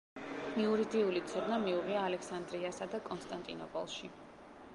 იურიდიული ცოდნა მიუღია ალექსანდრიასა და კონსტანტინოპოლში.